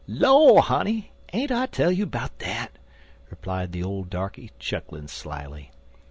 "Law, honey, ain't I tell you 'bout dat?" replied the old darkey, chuckling slyly.